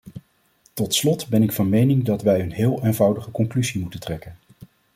Tot slot ben ik van mening dat wij een heel eenvoudige conclusie moeten trekken.